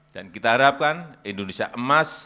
dan kita harapkan indonesia emas